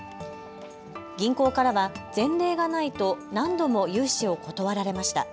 銀行からは前例がないと何度も融資を断られました。